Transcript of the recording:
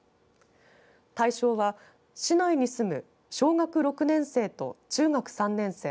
対象は市内に住む小学６年生と中学３年生